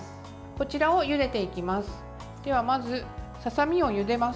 こちらをゆでていきます。